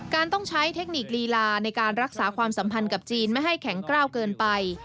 ต้องใช้เทคนิคลีลาในการรักษาความสัมพันธ์กับจีนไม่ให้แข็งกล้าวเกินไป